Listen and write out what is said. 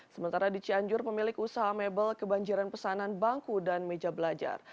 sementara di cianjur pemilik usaha mebel kebanjiran pesanan bangku dan meja belajar